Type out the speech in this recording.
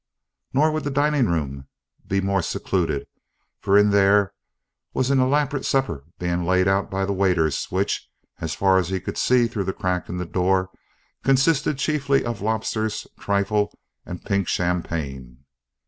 Nor would the dining room be more secluded, for in it there was an elaborate supper being laid out by the waiters which, as far as he could see through the crack in the door, consisted chiefly of lobsters, trifle, and pink champagne.